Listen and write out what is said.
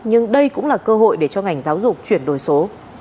nhưng đây cũng là cơ hội để cho ngành giáo dục chuyển đổi số